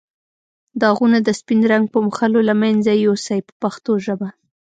داغونه د سپین رنګ په مښلو له منځه یو سئ په پښتو ژبه.